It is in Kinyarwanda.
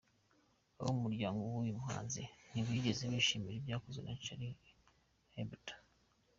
Abo mu muryango w'uyu muhanzi ntibigeze bishimira ibyakozwe na Charlie Hebdo.